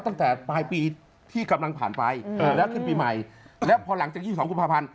ตั้งแต่ปลายปีที่กำลังผ่านไปแล้วขึ้นปีใหม่แล้วพอหลังจาก๒๒กุมภาพันธ์